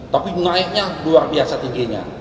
tapi naiknya luar biasa tingginya